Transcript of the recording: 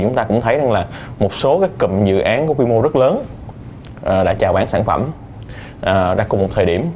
chúng ta cũng thấy rằng là một số các cụm dự án có quy mô rất lớn đã trào bán sản phẩm ra cùng một thời điểm